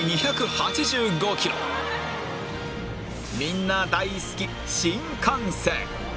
みんな大好き新幹線